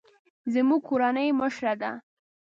زموږ کورنۍ مشره ده